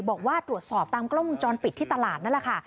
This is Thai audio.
บอกว่าตรวจสอบตามกล้องวงจรปิดที่ตลาดนั่นแหละค่ะ